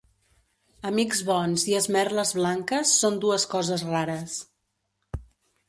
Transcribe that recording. Amics bons i esmerles blanques són dues coses rares.